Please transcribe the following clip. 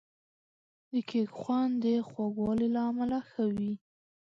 د کیک خوند د خوږوالي له امله ښه وي.